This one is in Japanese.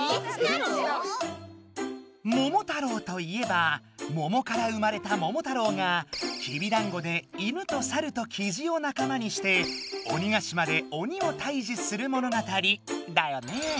「桃太郎」といえば桃から生まれた桃太郎がきびだんごでイヌとサルとキジをなかまにして鬼ヶ島で鬼をたいじする物語だよね。